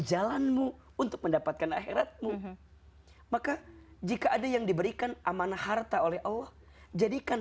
jalanmu untuk mendapatkan akhiratmu maka jika ada yang diberikan amanah harta oleh allah jadikan